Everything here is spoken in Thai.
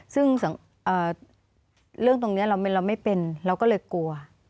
ซึ่งเรื่องตรงนี้เราไม่เป็นเราก็เลยกลัว